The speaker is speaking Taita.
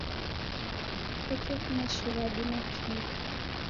Kusekefuma shighadi nakio.